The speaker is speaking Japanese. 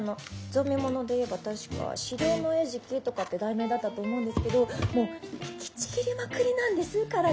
ゾンビもので言えば確か「死霊のえじき」とかって題名だったと思うんですけどもう引きちぎりまくりなんです体。